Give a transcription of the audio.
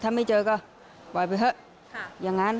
ถ้าไม่เจอก็ปล่อยไปเถอะอย่างนั้น